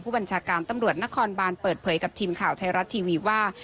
บัญชาการตำรวจนครบานเปิดเผยกับทีมข่าวไทยรัฐทีวีว่า